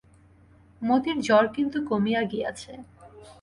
মতির জ্বর কিন্তু কমিয়া গিয়াছে।